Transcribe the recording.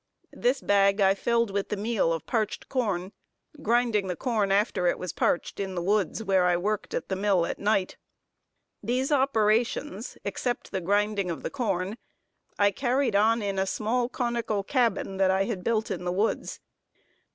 This bag I filled with the meal of parched corn, grinding the corn after it was parched in the woods where I worked at the mill at night. These operations, except the grinding of the corn, I carried on in a small conical cabin that I had built in the woods.